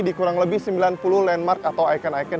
di kurang lebih sembilan puluh landmark atau icon icon